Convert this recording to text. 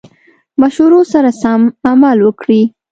مشورو سره سم عمل وکړي.